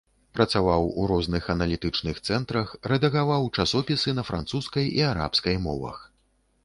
Працаваў у розных аналітычных цэнтрах, рэдагаваў часопісы на французскай і арабскай мовах.